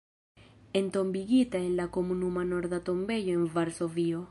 Entombigita en la Komunuma Norda Tombejo en Varsovio.